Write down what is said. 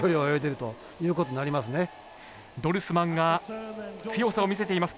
ドルスマンが強さを見せています。